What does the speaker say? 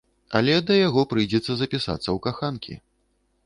Але да яго прыйдзецца запісацца ў каханкі.